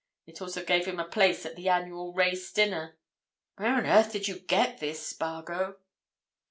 It also gave him a place at the annual race dinner. Where on earth did you get this, Spargo?"